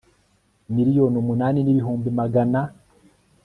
miliyoni umunani n ibihumbi magana